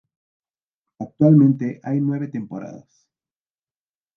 Actualmente hay nueve temporadas.